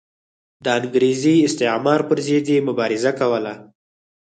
د انګریزي استعمار پر ضد یې مبارزه کوله.